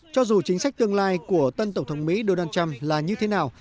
cho dù chính sách tương lai của tân tổng thống mỹ donald trump là như thế nào